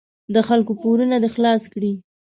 د خلکو پورونه دې خلاص کړي.